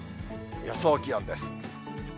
予想気温です。